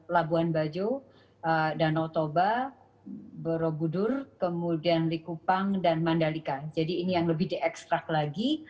labuan bajo dan otoba borobudur kemudian likupang dan mandalika jadi ini yang lebih diekstrak lagi